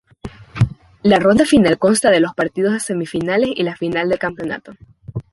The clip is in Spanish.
La ronda final consta de los partidos de semifinales y la final del campeonato.